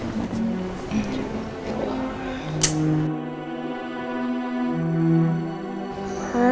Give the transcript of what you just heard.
mama dari tadi